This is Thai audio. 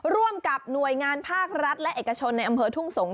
ร่วมกับหน่วยงานภาครัฐและเอกชนในอำเภอทุ่งสงศ